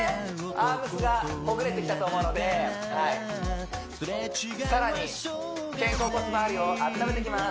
アームスがほぐれてきたと思うので更に肩甲骨まわりをあっためていきます